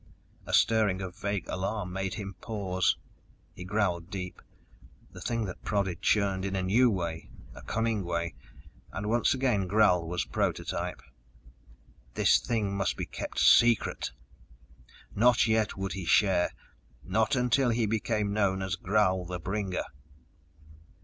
A stirring of vague alarm made him pause. He growled deep. The thing that prodded churned in a new way, a cunning way, and once again Gral was prototype. This thing must be kept secret! Not yet would he share not until he became known as Gral the Bringer!